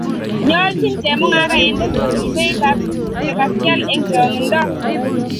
Nyoljin chemungaraindet kotil beitab tuguk che kakial eng changinda